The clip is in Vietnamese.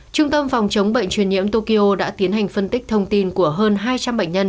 trung tâm phòng chống bệnh truyền nhiễm tokyo đã tiến hành phân tích thông tin của hơn hai trăm linh bệnh nhân